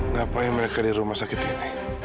ngapain mereka di rumah sakit ini